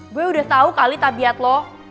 gue udah tau kali tabiat lo